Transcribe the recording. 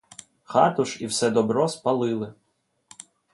Хату ж і все добро спалили.